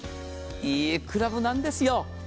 いいクラブなんですよ。